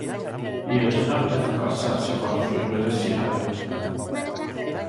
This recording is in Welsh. Ie, dyna'r peth agosa' at forthwyl welais i hefyd.